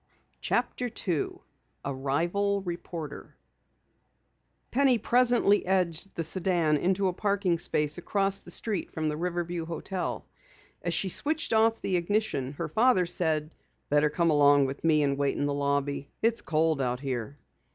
CHAPTER 2 A RIVAL REPORTER Penny presently edged the sedan into a parking space across the street from the Riverview Hotel. As she switched off the ignition her father said: "Better come along with me and wait in the lobby. It's cold out here."